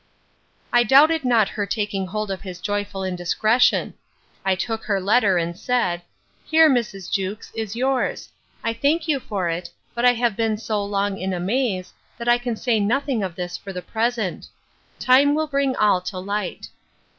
I doubted not her taking hold of his joyful indiscretion.—I took her letter, and said, Here, Mrs. Jewkes, is yours; I thank you for it; but I have been so long in a maze, that I can say nothing of this for the present. Time will bring all to light.